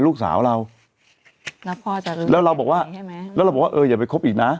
ลูกสาวเราแล้วเราบอก